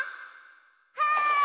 はい！